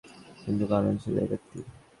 কিন্তু কারণ ছিল এই ব্যক্তি।